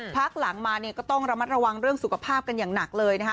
พักหลังมาเนี่ยก็ต้องระมัดระวังเรื่องสุขภาพกันอย่างหนักเลยนะคะ